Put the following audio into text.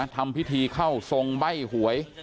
ทำพิธีเข้าทรงใบ้หวย